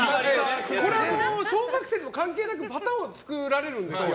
小学生でも関係なくパターンを作られるんですよ。